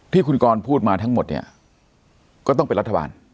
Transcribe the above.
ที่คุณกรพูดมาทั้งหมดเนี่ยก็ต้องเป็นรัฐบาล